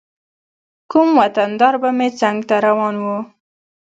کوم وطن دار به مې څنګ ته روان و.